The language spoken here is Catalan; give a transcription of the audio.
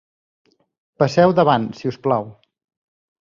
Passeu davant, si us plau.